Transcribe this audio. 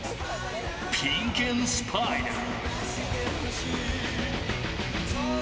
ピンク＆スパイダー。